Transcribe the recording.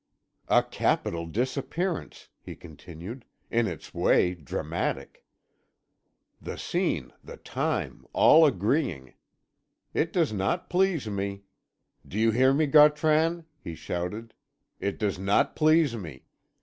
"A capital disappearance," he continued; "in its way dramatic. The scene, the time, all agreeing. It does not please me. Do you hear me, Gautran," he shouted. "It does not please me.